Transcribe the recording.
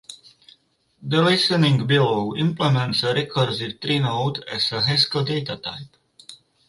The listing below implements a recursive trie node as a Haskell data type.